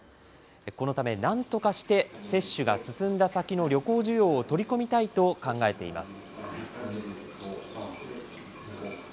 このためなんとかして、接種が進んだ先の旅行需要を取り込みたいと考えています。